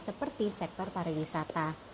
seperti sektor pariwisata